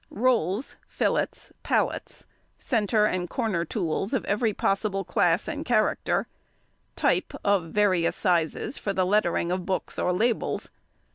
_—Rolls, fillets, pallets, centre and corner tools of every possible class and character; type of various sizes for the lettering of books or labels.